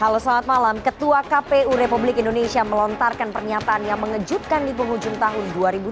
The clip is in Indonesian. halo selamat malam ketua kpu republik indonesia melontarkan pernyataan yang mengejutkan di penghujung tahun dua ribu dua puluh